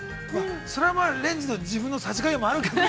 それはレンジの自分のさじ加減もあるけど。